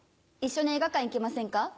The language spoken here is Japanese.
一緒に映画館行きませんか？